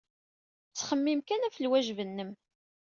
Ttxemmim kan ɣef lwajeb-nnem.